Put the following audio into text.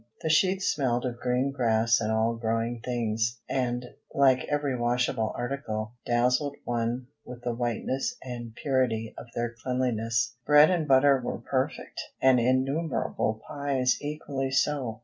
The sheets smelled of green grass and all growing things, and, like every washable article, dazzled one with the whiteness and purity of their cleanliness. Bread and butter were perfect, and innumerable pies equally so.